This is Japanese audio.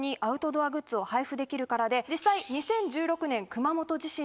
実際。